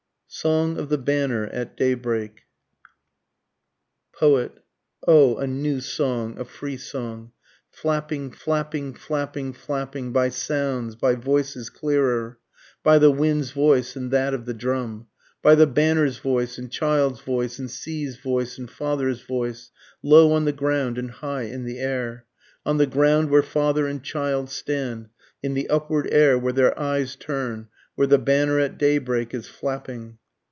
SONG OF THE BANNER AT DAYBREAK. Poet. O a new song, a free song, Flapping, flapping, flapping, flapping, by sounds, by voices clearer, By the wind's voice and that of the drum, By the banner's voice and child's voice and sea's voice and father's voice, Low on the ground and high in the air, On the ground where father and child stand, In the upward air where their eyes turn, Where the banner at daybreak is flapping.